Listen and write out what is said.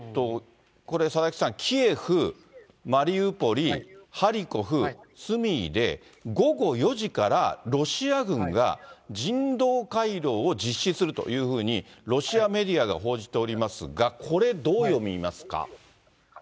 これ、佐々木さん、キエフ、マリウポリ、ハリコフ、スミーで午後４時からロシア軍が、人道回廊を実施するというふうにロシアメディアが報じておりますが、これ、どう読みますか。